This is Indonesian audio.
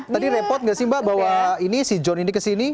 tadi repot nggak sih mbak bawa ini si john ini ke sini